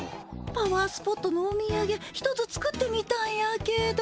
パワースポットのおみやげ一つ作ってみたんやけど。